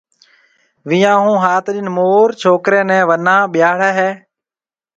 وينيان ھون ھات ڏِن مور ڇوڪرِي نيَ وناھ ٻيھاݪي ھيََََ